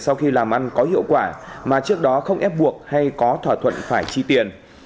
sau khi làm ăn có hiệu quả mà trước đó không ép buộc hay có thỏa thuận phải chi tiền